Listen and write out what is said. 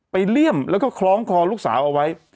เลี่ยมแล้วก็คล้องคอลูกสาวเอาไว้